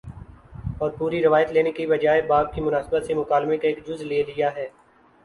اور پوری روایت لینے کے بجائے باب کی مناسبت سے مکالمے کا ایک جز لے لیا ہے